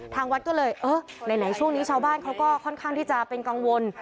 ทางวัดก็เลยเออไหนช่วงนี้ชาวบ้านเขาก็ค่อนข้างที่จะเป็นกังวล